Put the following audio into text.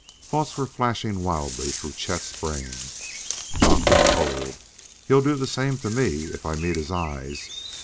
Thoughts were flashing wildly through Chet's brain. "Knocked 'em cold! He'll do the same to me if I meet his eyes.